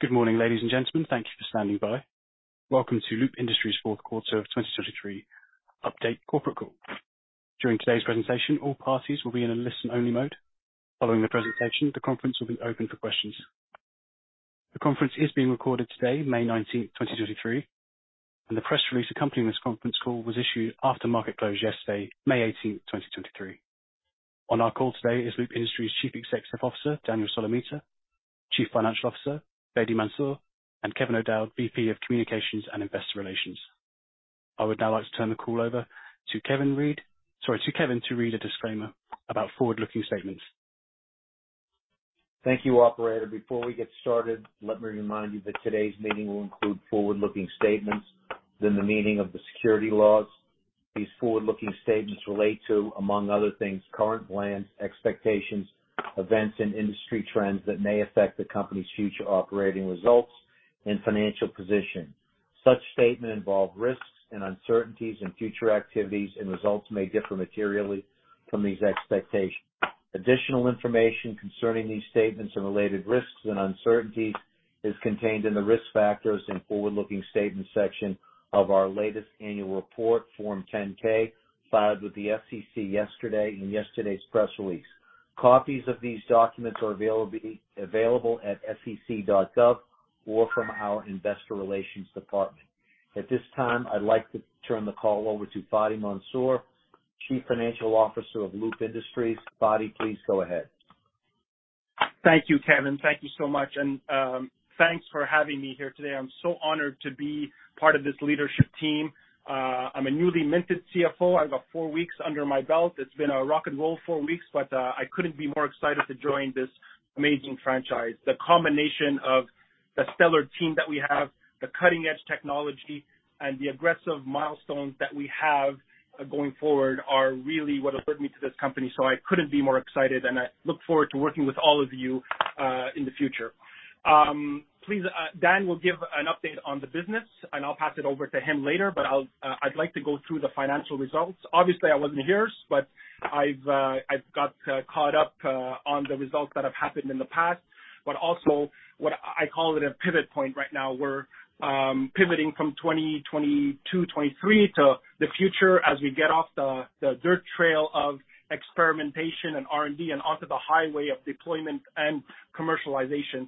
Good morning, ladies and gentlemen. Thank you for standing by. Welcome to Loop Industries Fourth Quarter of 2023 Update Corporate Call. During today's presentation, all parties will be in a listen-only mode. Following the presentation, the conference will be open for questions. The conference is being recorded today, May 19, 2023, and the press release accompanying this conference call was issued after market close yesterday, May 18, 2023. On our call today is Loop Industries Chief Executive Officer Daniel Solomita; Chief Financial Officer Fady Mansour, and Kevin O'Dowd; ,VP of Communications and Investor Relations. I would now like to turn the call over to Kevin to read a disclaimer about forward-looking statements. Thank you, operator. Before we get started, let me remind you that today's meeting will include forward-looking statements in the meaning of the securities laws. These forward-looking statements relate to, among other things, current plans, expectations, events and industry trends that may affect the company's future operating results and financial position. Such statements involve risks and uncertainties in future activities, and results may differ materially from these expectations. Additional information concerning these statements and related risks and uncertainties is contained in the Risk Factors and Forward-Looking Statements section of our latest annual report, Form 10-K, filed with the SEC yesterday in yesterday's press release. Copies of these documents are available at sec.gov or from our investor relations department. At this time, I'd like to turn the call over to Fady Mansour; Chief Financial Officer of Loop Industries. Fady, please go ahead. Thank you, Kevin. Thank you so much. Thanks for having me here today. I'm so honored to be part of this leadership team. I'm a newly minted CFO. I've got four weeks under my belt. It's been a rock and roll four weeks, but I couldn't be more excited to join this amazing franchise. The combination of the stellar team that we have, the cutting-edge technology, and the aggressive milestones that we have going forward are really what attracted me to this company, so I couldn't be more excited, and I look forward to working with all of you in the future. Please, Dan will give an update on the business, and I'll pass it over to him later, but I'd like to go through the financial results. Obviously, I wasn't here, but I've got caught up on the results that have happened in the past, but also what I call it a pivot point right now. We're pivoting from 2022, 2023 to the future as we get off the dirt trail of experimentation and R&D and onto the highway of deployment and commercialization.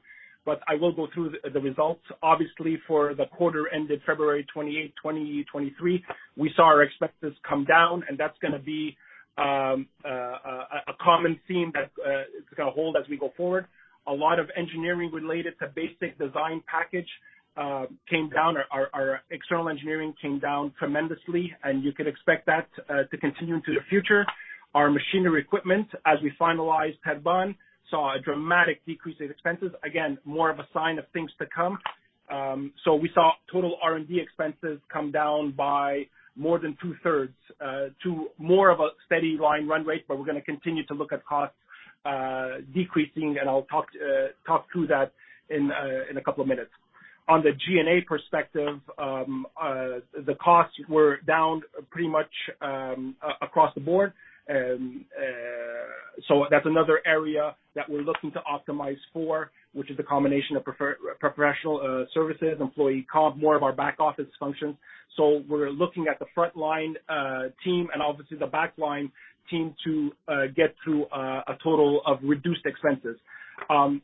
I will go through the results. Obviously, for the quarter ended February 28, 2023, we saw our expenses come down, and that's gonna be a common theme that is gonna hold as we go forward. A lot of engineering related to basic design package came down. Our external engineering came down tremendously, and you could expect that to continue into the future. Our machinery equipment, as we finalized Terrebonne, saw a dramatic decrease in expenses. More of a sign of things to come. We saw total R&D expenses come down by more than two-thirds to more of a steady line run rate, but we're gonna continue to look at costs decreasing, and I'll talk through that in a couple of minutes. From the G&A perspective, the costs were down pretty much across the board. That's another area that we're looking to optimize for, which is the combination of professional services, employee comp, more of our back-office functions. We're looking at the frontline team and obviously the backline team to get to a total of reduced expenses.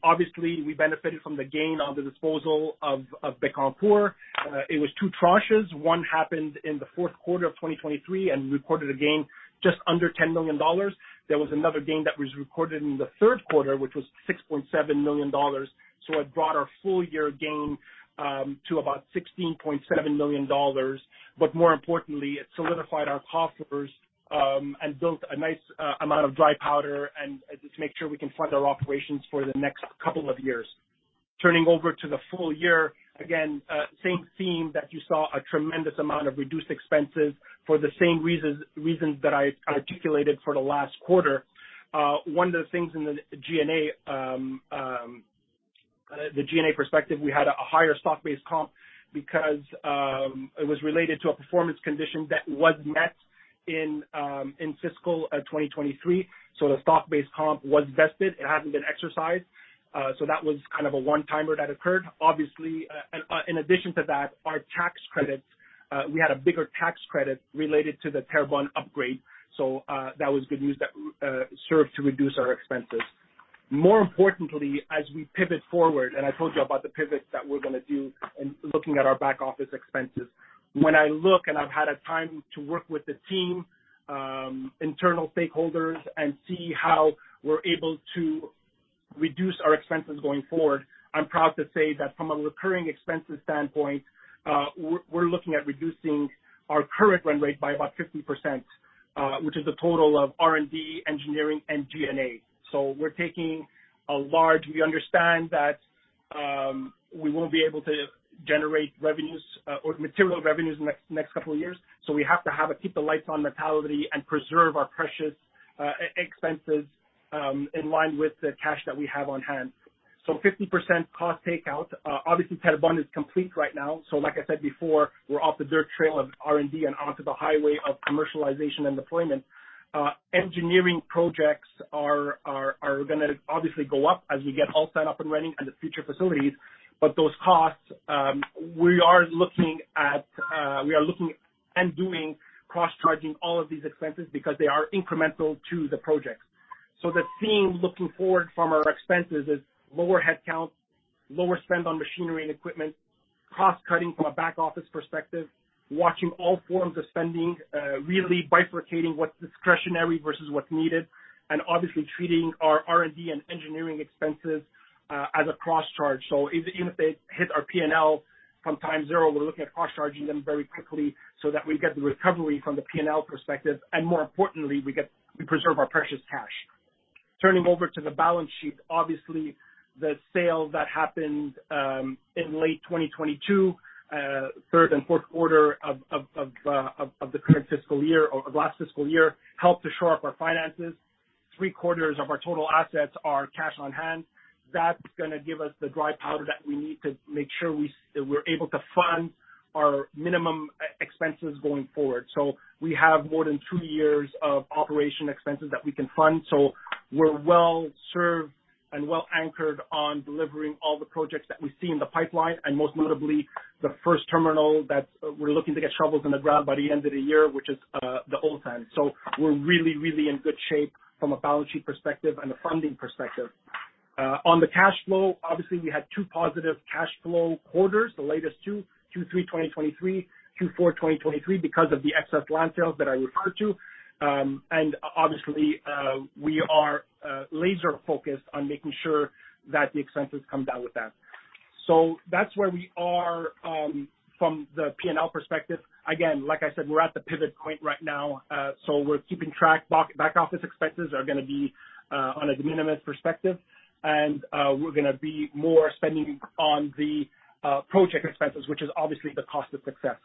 Obviously, we benefited from the gain on the disposal of Bécancour. It was two tranches. One happened in the fourth quarter of 2023, and we recorded a gain just under $10 million. There was another gain that was recorded in the third quarter, which was $6.7 million. It brought our full year gain to about $16.7 million. More importantly, it solidified our coffers and built a nice amount of dry powder, and just make sure we can fund our operations for the next couple of years. Turning over to the full year, again, same theme that you saw a tremendous amount of reduced expenses for the same reasons that I articulated for the last quarter. One of the things in the G&A, the G&A perspective, we had a higher stock-based comp because it was related to a performance condition that was met in fiscal 2023. The stock-based comp was vested. It hasn't been exercised. That was kind of a one-timer that occurred. Obviously, in addition to that, our tax credits, we had a bigger tax credit related to the Terrebonne upgrade. That was good news that served to reduce our expenses. More importantly, as we pivot forward, of I told you about the pivots that we're gonna do in looking at our back-office expenses. When I look and I've had a time to work with the team, internal stakeholders, and see how we're able to reduce our expenses going forward, I'm proud to say that from a recurring expenses standpoint, we're looking at reducing our current run rate by about 50%, which is a total of R&D, engineering, and G&A. We understand that we won't be able to generate revenues or material revenues next couple of years. We have to have a keep the lights on mentality and preserve our precious e-expenses in line with the cash that we have on hand. 50% cost takeout. Obviously, Terrebonne is complete right now. Like I said before, we're off the dirt trail of R&D and onto the highway of commercialization and deployment. Engineering projects are gonna obviously go up as we get all set up and running and the future facilities. Those costs, we are looking and doing cross-charging all of these expenses because they are incremental to the projects. The theme looking forward from our expenses is lower headcount, lower spend on machinery and equipment, cost-cutting from a back-office perspective, watching all forms of spending, really bifurcating what's discretionary versus what's needed, and obviously treating our R&D and engineering expenses as a cross-charge. Even if they hit our P&L from time zero, we're looking at cross-charging them very quickly so that we get the recovery from the P&L perspective, and more importantly, we get. We preserve our precious cash. Turning over to the balance sheet, obviously, the sale that happened in late 2022, the third and fourth quarters of the current fiscal year,, or of last fiscal year helped to shore up our finances. Three-quarters of our total assets are cash on hand. That's gonna give us the dry powder that we need to make sure that we're able to fund our minimum expenses going forward. We have more than two years of operation expenses that we can fund, so we're well-served and well-anchored on delivering all the projects that we see in the pipeline, and most notably, the first terminal that we're looking to get shovels in the ground by the end of the year, which is the old time. We're really in good shape from a balance sheet perspective and a funding perspective. On the cash flow, obviously, we had two positive cash flow quarters, the latest two, Q3 2023, Q4 2023, because of the excess land sales that I referred to. Obviously, we are laser-focusedasspending more on making sure that the expenses come down with that. That's where we are from the P&L perspective. Again, like I said, we're at the pivot point right now, we're keeping track. Back-office expenses are gonna be on a de minimis perspective, and we're gonna be spending more on the project expenses, which is obviously the cost of success.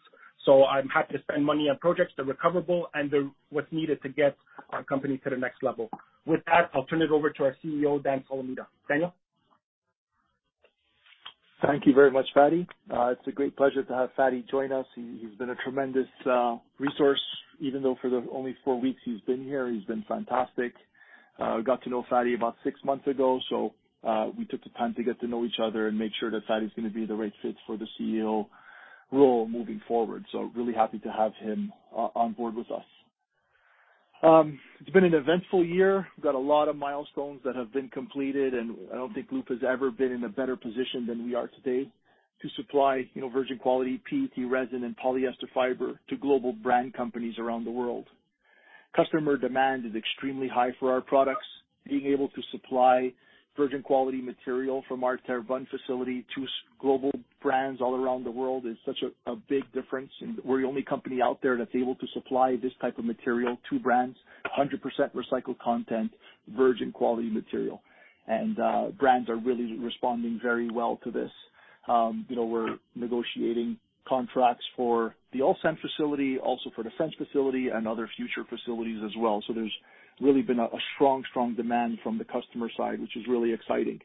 I'm happy to spend money on projects;, they're recoverable and they're what's needed to get our company to the next level. With that, I'll turn it over to our CEO, Daniel Solomita. Daniel? Thank you very much, Fady. It's a great pleasure to have Fady join us. He's been a tremendous resource, even though for the only four weeks he's been here, he's been fantastic. Got to know Fady about six months ago, so we took the time to get to know each other and make sure that Fady is gonna be the right fit for the CEO role moving forward. Really happy to have him on board with us. It's been an eventful year. We've got a lot of milestones that have been completed, I don't think Loop has ever been in a better position than we are today to supply, you know, virgin quality PET resin and polyester fiber to global brand companies around the world. Customer demand is extremely high for our products. Being able to supply virgin quality material from our Terrebonne facility to global brands all around the world is such a big difference, and we're the only company out there that's able to supply this type of material to brands, 100% recycled content, virgin quality material. Brands are really responding very well to this. You know, we're negotiating contracts for the Ulsan facility, also for the French facility and other future facilities as well. There's really been a strong demand from the customer side, which is really exciting.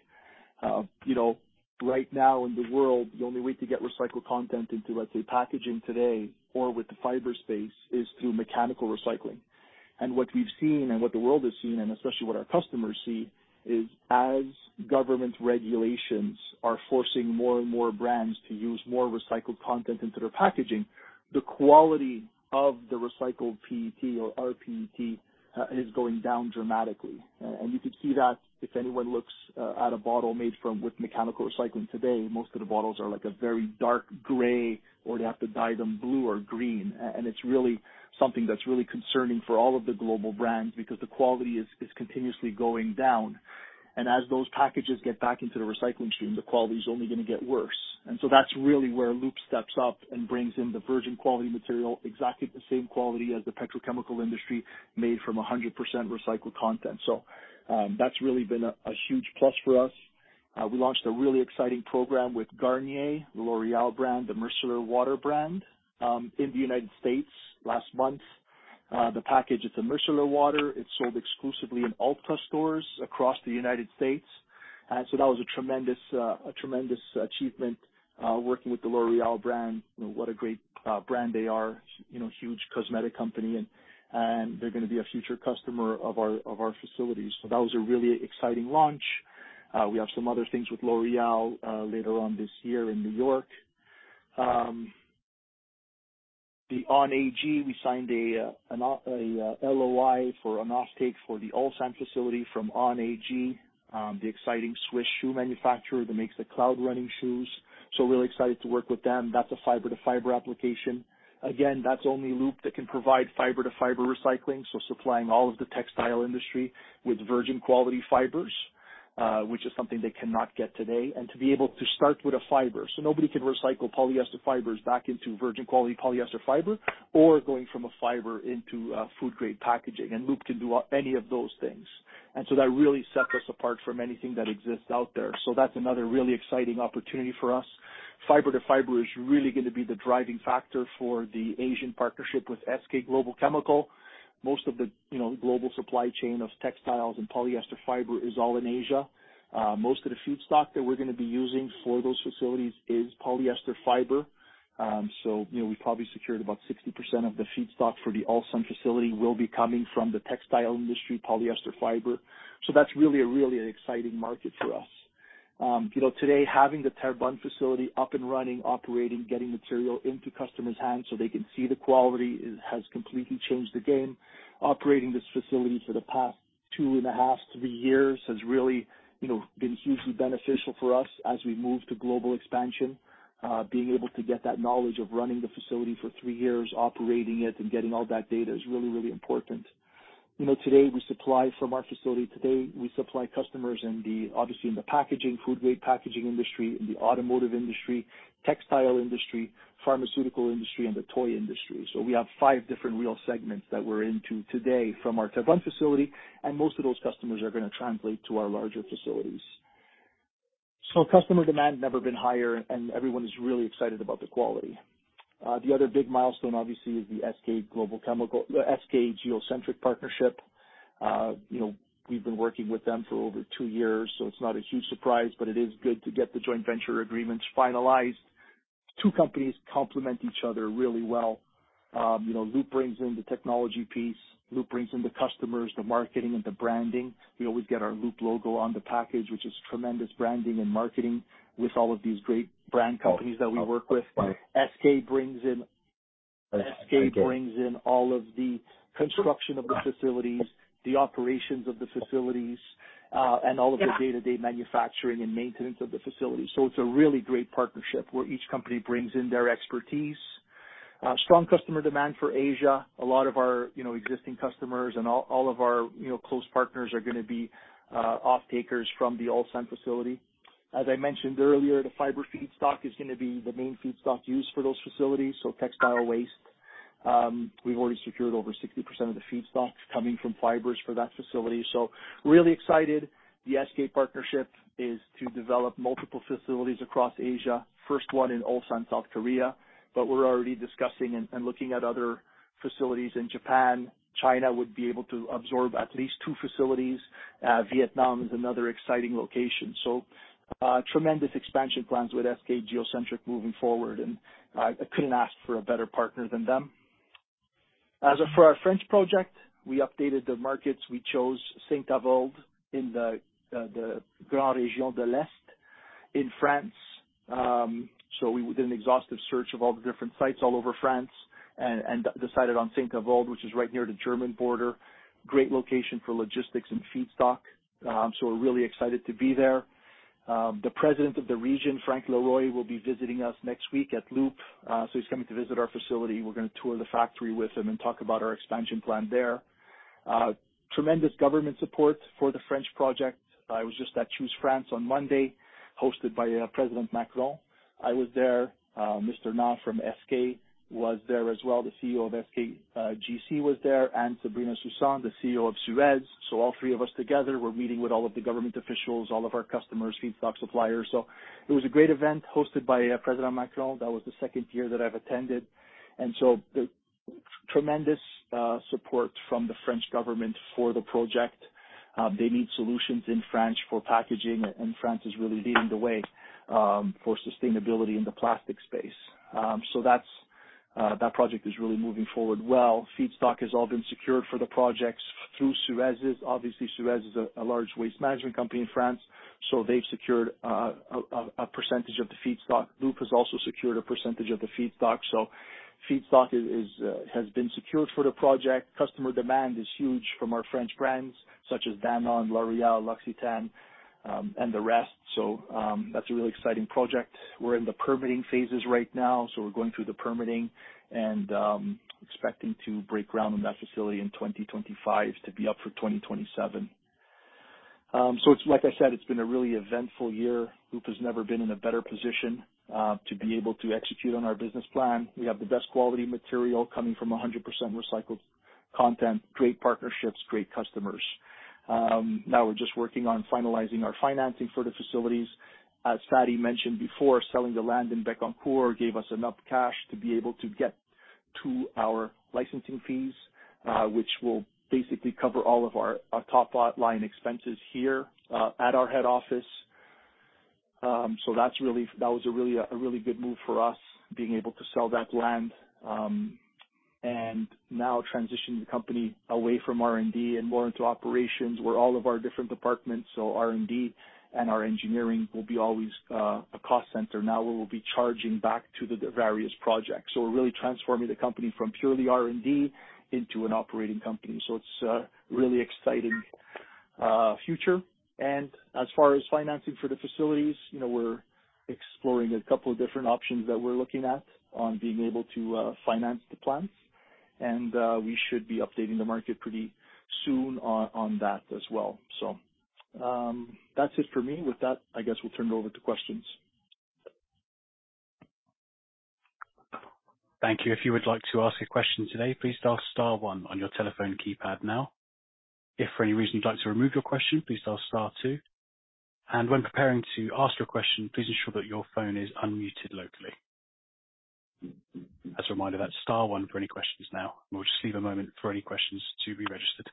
You know, right now in the world, the only way to get recycled content into, let's say, packaging today or with the fiber space is through mechanical recycling. What we've seen and what the world has seen, and especially what our customers see, is as government regulations are forcing more and more brands to use more recycled content into their packaging, the quality of the recycled PET or rPET is going down dramatically. You could see that if anyone looks at a bottle made from that mechanical recycling today, most of the bottles are like a very dark gray, or they have to dye them blue or green. It's really something that's really concerning for all of the global brands because the quality is continuously going down. As those packages get back into the recycling stream, the quality is only gonna get worse. That's really where Loop steps up and brings in the virgin quality material, exactly the same quality as the petrochemical industry made from 100% recycled content. That's really been a huge plus for us. We launched a really exciting program with Garnier, L'Oréal brand, the Micellar Water brand in the United States last month. The package of the Micellar Water, it's sold exclusively in Ulta stores across the United States. That was a tremendous achievement working with the L'Oréal brand. You know, what a great brand they are. You know, huge cosmetic company and they're gonna be a future customer of our facilities. That was a really exciting launch. We have some other things with L'Oréal later on this year in New York. The On AG, we signed an LOI for an offtake for the Ulsan facility from On AG, the exciting Swiss shoe manufacturer that makes the Cloud running shoes. Really excited to work with them. That's a fiber-to-fiber application. Again, that's only Loop that can provide fiber-to-fiber recycling, so supplying all of the textile industry with virgin quality fibers, which is something they cannot get today. To be able to start with a fiber. Nobody can recycle polyester fibers back into virgin quality polyester fiber or going from a fiber into food grade packaging, and Loop can do any of those things. That really sets us apart from anything that exists out there. That's another really exciting opportunity for us. Fiber to fiber is really gonna be the driving factor for the Asian partnership with SK Geo Centric. Most of the, you know, global supply chain of textiles and polyester fiber is all in Asia. Most of the feedstock that we're gonna be using for those facilities is polyester fiber. So, you know, we probably secured about 60% of the feedstock for the Ulsan facility will be coming from the textile industry polyester fiber. That's really a really exciting market for us. You know, today having the Terrebonne facility up and running, operating, getting material into customers' hands so they can see the quality has completely changed the game. Operating this facility for the past two and a half, three years has really, you know, been hugely beneficial for us as we move to global expansion. To Being able to get that knowledge of running the facility for three years, operating it, and getting all that data is really, really important. You know, today we supply from our facility. Today, we supply customers in the, obviously, in the packaging, food grade packaging industry, in the automotive industry, textile industry, pharmaceutical industry, and the toy industry. We have five different real segments that we're into today from our Terrebonne facility, and most of those customers are gonna translate to our larger facilities. Customer demand never been higher, and everyone is really excited about the quality. The other big milestone, obviously, is the SK Geo centric partnership. You know, we've been working with them for over two years, so it's not a huge surprise, but it is good to get the joint venture agreements finalized. Two companies complement each other really well. You know, Loop brings in the technology piece. Loop brings in the customers, the marketing and the branding. You know, we get our Loop logo on the package, which is tremendous branding and marketing with all of these great brand companies that we work with. SK brings in all of the construction of the facilities, the operations of the facilities, and all of the day-to-day manufacturing and maintenance of the facilities. It's a really great partnership where each company brings in their expertise. Strong customer demand for Asia. A lot of our, you know, existing customers and all of our, you know, close partners are gonna be off-takers from the Ulsan facility. As I mentioned earlier, the fiber feedstock is gonna be the main feedstock used for those facilities, so textile waste. We've already secured over 60% of the feedstock coming from fibers for that facility. Really excited. The SK partnership is to develop multiple facilities across Asia. First one in Ulsan, South Korea, but we're already discussing and looking at other facilities in Japan. China would be able to absorb at least two facilities. Vietnam is another exciting location. Tremendous expansion plans with SK Geo Centric moving forward, and I couldn't ask for a better partner than them. As for our French project, we updated the markets. We chose Saint-Avold in the Grand Est in France. We did an exhaustive search of all the different sites all over France and decided on Saint-Avold, which is right near the German border. Great location for logistics and feedstock, so we're really excited to be there. The president of the region, Franck Leroy, will be visiting us next week at Loop. He's coming to visit our facility. We're gonna tour the factory with him and talk about our expansion plan there. Tremendous government support for the French project. I was just at Choose France on Monday, hosted by President Macron. I was there. Mr. Na from SK was there as well. The CEO of SK GC was there, and Sabrina Soussan, the CEO of SUEZ. All three of us together were meeting with all of the government officials, all of our customers, and feedstock suppliers. It was a great event hosted by President Macron. That was the second year that I've attended. The tremendous support from the French government for the project. They need solutions in France for packaging, and France is really leading the way for sustainability in the plastic space. That's that project is really moving forward well. Feedstock has all been secured for the projects through SUEZ. Obviously, SUEZ is a large waste management company in France, they've secured a, a percentage of the feedstock. Loop has also secured a percentage of the feedstock. Feedstock has been secured for the project. Customer demand is huge from our French brands such as Danone, L'Oréal, L'Occitane, and the rest. That's a really exciting project. We're in the permitting phases right now. We're going through the permitting and expecting to break ground on that facility in 2025. It's to be up for 2027. It's like I said, it's been a really eventful year. Loop has never been in a better position to be able to execute on our business plan. We have the best quality material coming from 100% recycled content, great partnerships, great customers. Now we're just working on finalizing our financing for the facilities. As Fady mentioned before, selling the land in Bécancour gave us enough cash to be able to get to our licensing fees, which will basically cover all of our top line expenses here at our head office. That was a really good move for us being able to sell that land, and now transitioning the company away from R&D and more into operations, where all of our different departments, so R&D and our engineering will be always a cost center now, where we'll be charging back to the various projects. We're really transforming the company from purely R&D into an operating company. It's a really exciting future. As far as financing for the facilities, you know, we're exploring a couple of different options that we're looking at on being able to finance the plans. We should be updating the market pretty soon on that as well. That's it for me. With that, I guess we'll turn it over to questions. Thank you. If you would like to ask a question today, please dial star one on your telephone keypad now. If for any reason you'd like to remove your question, please dial star two. When preparing to ask your question, please ensure that your phone is unmuted locally. As a reminder, that's star one for any questions now. We'll just leave a moment for any questions to be registered.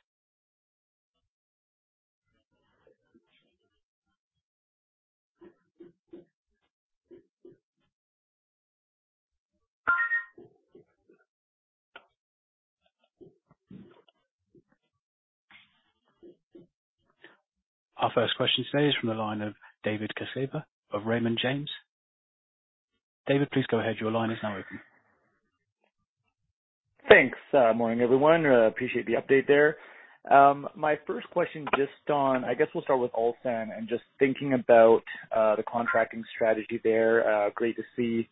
Our first question today is from the line of David Quezada of Raymond James. David, please go ahead. Your line is now open. Thanks. Morning, everyone. Appreciate the update there. My first question, just on... I guess we'll start with Ulsan and just thinking about the contracting strategy there. Great to see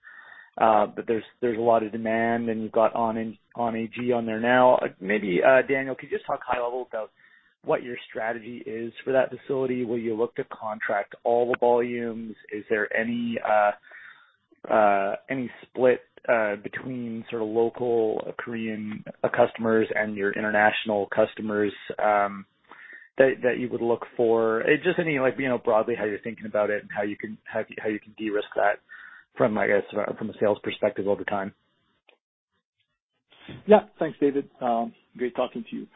that there's a lot of demand, and you've got, On Holding on there now. Maybe Daniel, could you just talk high-level about what your strategy is for that facility? Will you look to contract all the volumes? Is there any any split between sort of local Korean customers and your international customers that you would look for? Just any, like, you know, broadly how you're thinking about it and how you can de-risk that from, I guess, from a sales perspective over time. Yeah. Thanks, David. Great talking to you.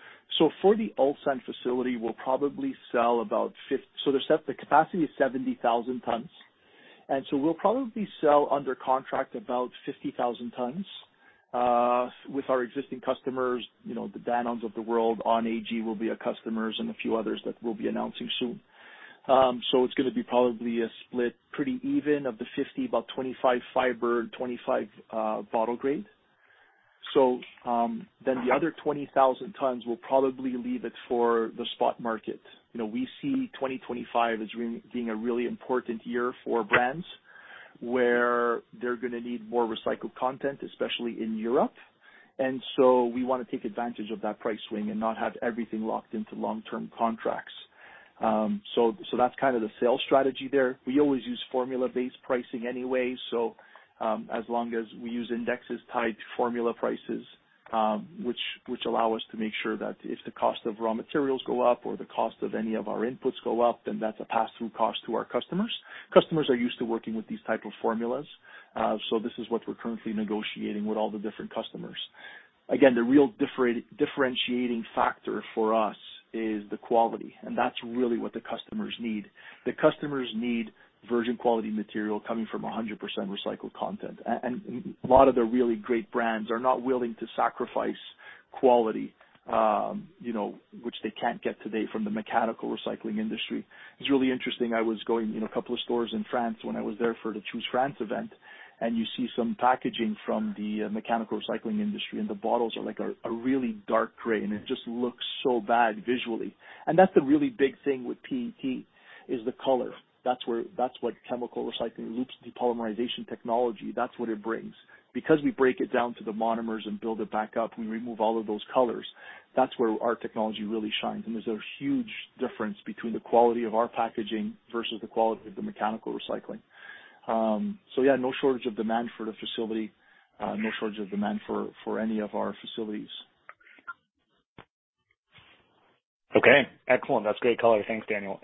For the Ulsan facility, we'll probably sell about the capacity is 70,000 tons, we'll probably sell under contract about 50,000 tons with our existing customers. You know, the Danones of the world, On Holding will be our customers and a few others that we'll be announcing soon. It's gonna be probably a split pretty even of the 50, about 25 fiber, 25 bottle grade. Then the other 20,000 tons, we'll probably leave it for the spot market. You know, we see 2025 as being a really important year for brands, where they're gonna need more recycled content, especially in Europe. We wanna take advantage of that price swing and not have everything locked into long-term contracts. That's kind of the sales strategy there. We always use formula-based pricing anyway, as long as we use indexes tied to formula prices, which allow us to make sure that if the cost of raw materials go up or the cost of any of our inputs go up, then that's a pass-through cost to our customers. Customers are used to working with these type of formulas. This is what we're currently negotiating with all the different customers. Again, the real differentiating factor for us is the quality, and that's really what the customers need. The customers need virgin quality material coming from 100% recycled content. And a lot of the really great brands are not willing to sacrifice quality, you know, which they can't get today from the mechanical recycling industry. It's really interesting. I was going in a couple of stores in France when I was there for the Choose France event, you see some packaging from the mechanical recycling industry, and the bottles are, like, a really dark gray, and it just looks so bad visually. That's the really big thing with PET is the color. That's what chemical recycling Loop's depolymerization technology, that's what it brings. We break it down to the monomers and build it back up, we remove all of those colors. That's where our technology really shines. There's a huge difference between the quality of our packaging versus the quality of the mechanical recycling. Yeah, no shortage of demand for the facility. No shortage of demand for any of our facilities. Okay. Excellent. That's great color. Thanks, Daniel.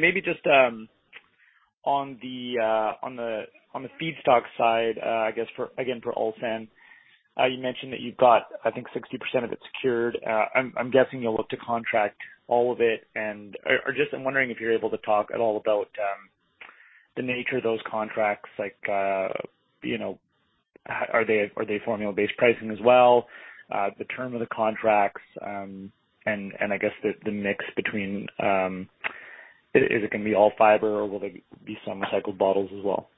Maybe just on the feedstock side, I guess for, again, for Ulsan, you mentioned that you've got, I think 60% of it secured. I'm guessing you'll look to contract all of it. Or, I'm just wondering if you're able to talk at all about the nature of those contracts. Like, you know, are they formula-based pricing as well? The term of the contracts, and I guess the mix between, is it gonna be all fiber or will there be some recycled bottles as well?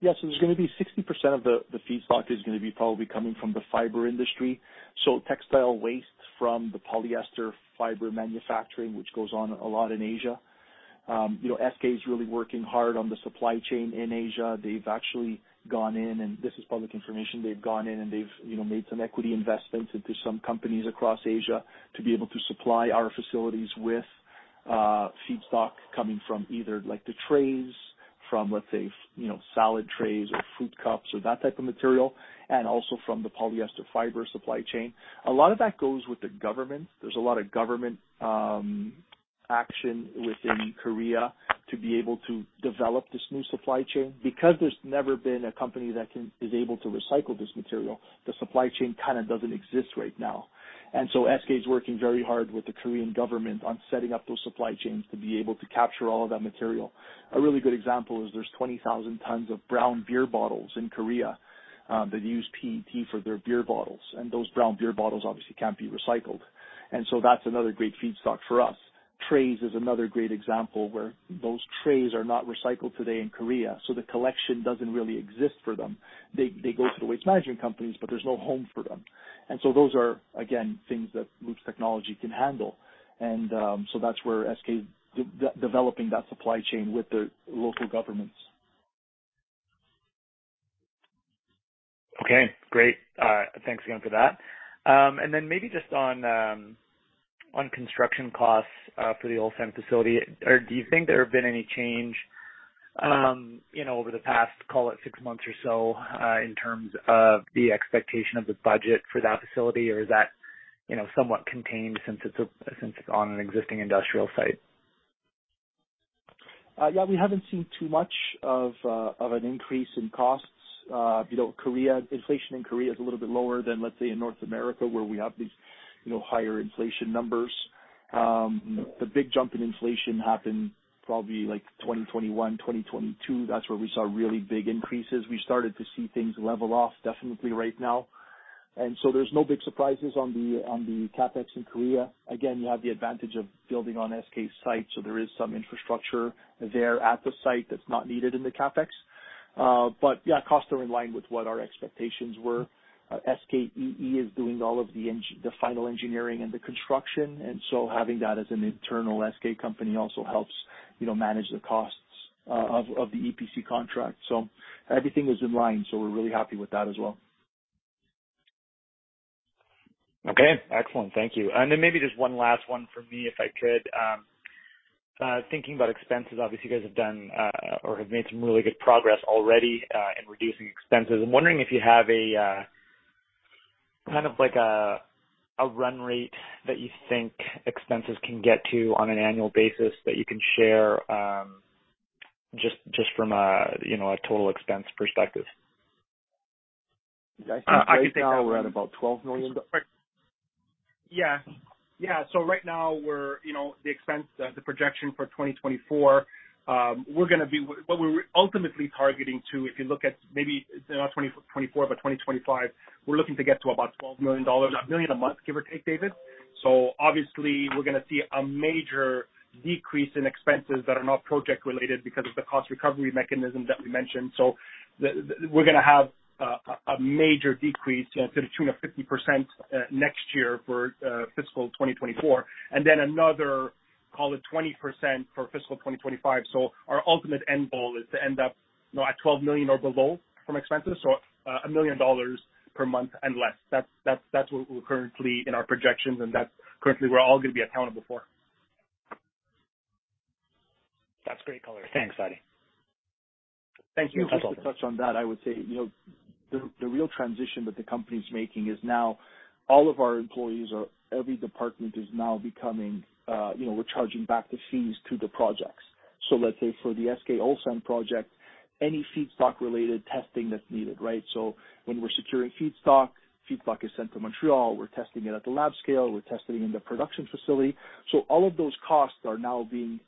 Yeah. There's gonna be 60% of the feedstock is gonna be probably coming from the fiber industry. Textile waste from the polyester fiber manufacturing, which goes on a lot in Asia. You know, SK is really working hard on the supply chain in Asia. They've actually gone in, and this is public information. They've gone in, and they've, you know, made some equity investments into some companies across Asia to be able to supply our facilities with feedstock coming from either like the trays, from, let's say, you know, salad trays or fruit cups or that type of material, and also from the polyester fiber supply chain. A lot of that goes with the government. There's a lot of government action within Korea to be able to develop this new supply chain. There's never been a company that is able to recycle this material, the supply chain kind of doesn't exist right now. SK is working very hard with the Korean government on setting up those supply chains to be able to capture all of that material. A really good example is there's 20,000 tons of brown beer bottles in Korea that use PET for their beer bottles, and those brown beer bottles obviously can't be recycled. That's another great feedstock for us. Trays is another great example where those trays are not recycled today in Korea, so the collection doesn't really exist for them. They go to the waste management companies, but there's no home for them. Those are, again, things that Loop's technology can handle. That's where SK developing that supply chain with the local governments. Okay, great. Thanks again for that. Maybe just on construction costs for the Ulsan facility. Do you think there have been any change, you know, over the past, call it six months or so, in terms of the expectation of the budget for that facility, or is that, you know, somewhat contained since it's on an existing industrial site? Yeah, we haven't seen too much of an increase in costs. You know, inflation in Korea is a little bit lower than, let's say, in North America, where we have these, you know, higher inflation numbers. The big jump in inflation happened probably like 2021, 2022. That's where we saw really big increases. We started to see things level off definitely right now. There's no big surprises on the, on the CapEx in Korea. Again, you have the advantage of building on SK site, so there is some infrastructure there at the site that's not needed in the CapEx. Costs are in line with what our expectations were. SK ecoengineering is doing all of the final engineering and the construction. Having that as an internal SK company also helps, you know, manage the costs of the EPC contract. Everything is in line. We're really happy with that as well. Okay, excellent. Thank you. Maybe just one last one for me, if I could. Thinking about expenses, obviously you guys have done or have made some really good progress already in reducing expenses. I'm wondering if you have a kind of like a run rate that you think expenses can get to on an annual basis that you can share, just from a, you know, a total expense perspective? I think right now we're at about $12 million. Yeah. ,Right now we're, you know, the expense, the projection for 2024, what we're ultimately targeting to, if you look at maybe not 2024, but 2025, we're looking to get to about $12 million, $1 million a month, give or take, David. Obviously we're gonna see a major decrease in expenses that are not project-related because of the cost recovery mechanism that we mentioned. We're gonna have a major decrease to the tune of 50%, next year for fiscal 2024, and then another, call it 20% for fiscal 2025. Our ultimate end goal is to end up, you know, at $12 million or below from expenses. $1 million per month and less. That's what we're currently in our projections, and that's currently we're all gonna be accountable for. That's great color. Thanks, Fady. Thank you. Just to touch on that, I would say, you know, the real transition that the company's making is now all of our employees, every department is now becoming, you know, we're charging back the fees to the projects. Let's say for the SK Ulsan project, any feedstock-related testing that's needed, right? When we're securing feedstock is sent to Montreal, we're testing it at the lab scale, we're testing it in the production facility. All of those costs are now being,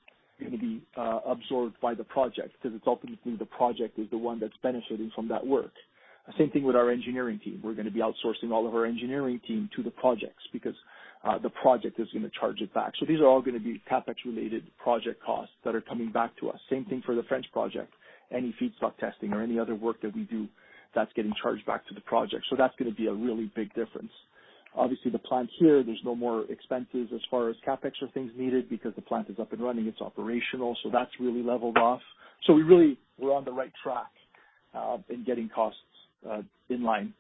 gonna be, absorbed by the project 'cause it's ultimately the project is the one that's benefiting from that work. Same thing with our engineering team. We're gonna be outsourcing all of our engineering team to the projects because the project is gonna charge it back. These are all gonna be CapEx-related project costs that are coming back to us. Same thing for the French project. Any feedstock testing or any other work that we do that's getting charged back to the project. That's gonna be a really big difference. Obviously, the plant here, there's no more expenses as far as CapEx or things needed because the plant is up and running, it's operational, so that's really leveled off. We're on the right track in getting costs in line.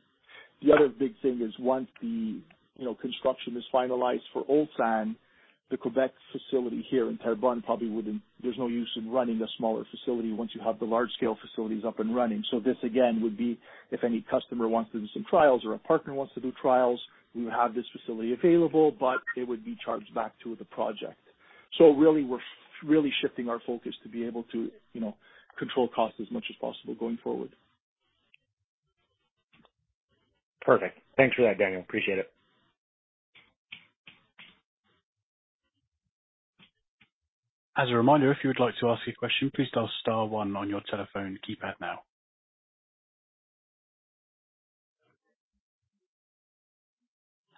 The other big thing is once the, you know, construction is finalized for Ulsan, the Quebec facility here in Terrebonne, probably there's no use in running a smaller facility once you have the large-scale facilities up and running. This again would be if any customer wants to do some trials or a partner wants to do trials, we would have this facility available, but it would be charged back to the project. Really, we're really shifting our focus to be able to, you know, control costs as much as possible going forward. Perfect. Thanks for that, Daniel. Appreciate it. As a reminder, if you would like to ask a question, please dial star one on your telephone keypad now.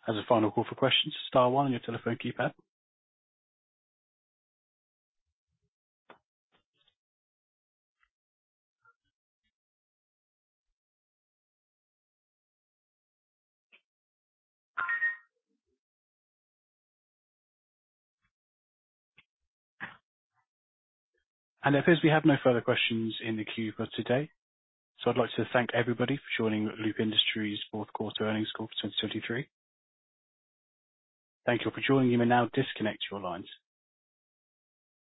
As a final call for questions, star one on your telephone keypad. It appears we have no further questions in the queue for today. I'd like to thank everybody for joining Loop Industries fourth quarter earnings call for 2023. Thank you for joining. You may now disconnect your lines.